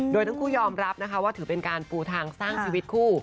โดยทั้งคู่ยอมรับนะคะว่าถือเป็นการปูทางสร้างชีวิตคู่